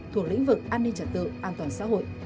thuộc lĩnh vực an ninh trật tự an toàn xã hội